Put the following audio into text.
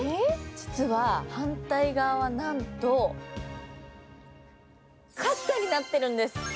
実は、反対側はなんとカッサになってるんです。